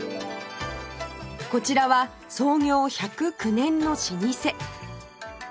こちらは創業１０９年の老舗